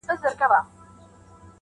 هغه تړاو نه درلود